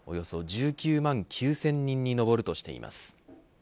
およそ１９万９０００人に上るとしています。